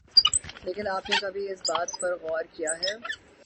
لیکن آپ نے کبھی اس بات پر غور کیا ہے